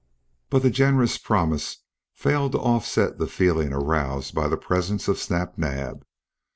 But the generous promise failed to offset the feeling aroused by the presence of Snap Naab.